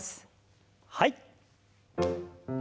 はい。